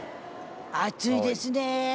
暑いですね。